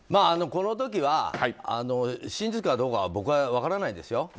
この時は真実かどうかは僕は分からないですよ。